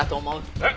えっ？